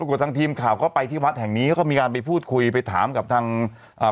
กับทางทีมข่าวก็ไปที่วัดแห่งนี้เขาก็มีการไปพูดคุยไปถามกับทางอ่า